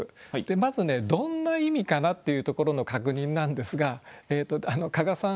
まずねどんな意味かなっていうところの確認なんですが加賀さん